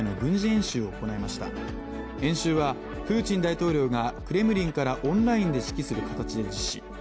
演習は、プーチン大統領がクレムリンからオンラインで指揮する形で実施